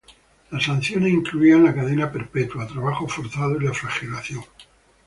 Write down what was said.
Las sanciones incluían la cadena perpetua, trabajos forzados y la flagelación.